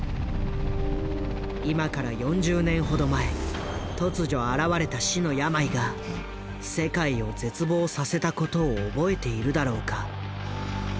今から４０年ほど前突如現れた「死の病」が世界を絶望させたことを覚えているだろうか。